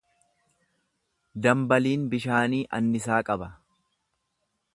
Dambaliin bishaanii annisaa qaba.